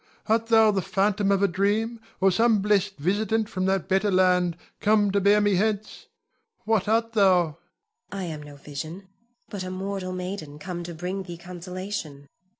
Art thou the phantom of a dream, or some blest visitant from that better land, come to bear me hence? What art thou? Zuleika. I am no vision, but a mortal maiden, come to bring thee consolation. Ion.